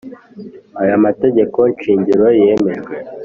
Aya mategeko shingiro yemejwe